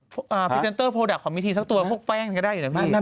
พรีเซนเตอร์โปรดักต์ของมีทีสักตัวพวกแป้งก็ได้อยู่นะพี่